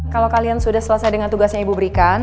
kalau kalian sudah selesai dengan tugasnya ibu berikan